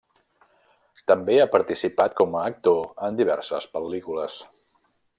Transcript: També ha participat com a actor en diverses pel·lícules.